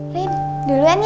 rin duluan ya